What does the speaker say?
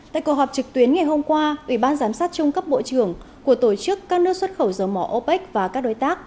tại cuộc họp trực tuyến ngày hôm qua ủy ban giám sát trung cấp bộ trưởng của tổ chức các nước xuất khẩu dầu mỏ opec và các đối tác